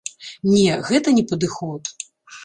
Не, гэта не падыход.